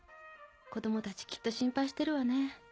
子供たちきっと心配してるわね